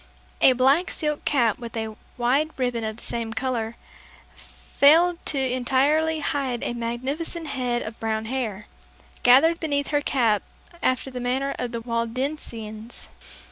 A black silk cap with a wide ribbon of the same color, failed to entirely hide a magnificent head of brown hair, gathered beneath her cap after the manner of the Waldensians.